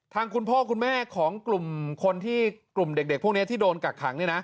ทางคุณพ่อคุณแม่ของกลุ่มเด็กพวกนี้ที่โดนกักขัง